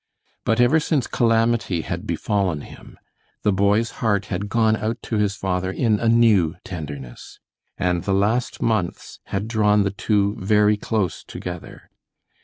But ever since calamity had befallen him, the boy's heart had gone out to his father in a new tenderness, and the last months had drawn the two very close together.